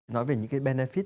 nói về những cái benefit